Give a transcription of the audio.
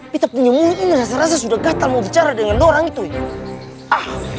kita punya mulut ini rasa rasa sudah gatal mau bicara dengan lu orang tuh